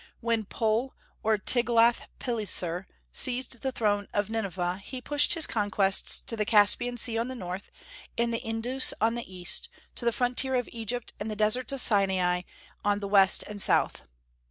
When Pul, or Tiglath pileser, seized the throne of Nineveh, he pushed his conquests to the Caspian Sea on the north and the Indus on the east, to the frontier of Egypt and the deserts of Sinai on the west and south.